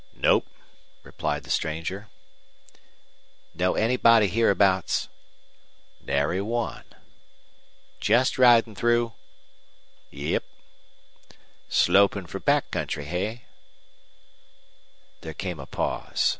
"Nope," replied the stranger. "Know anybody hereabouts?" "Nary one." "Jest ridin' through?" "Yep." "Slopin' fer back country, eh?" There came a pause.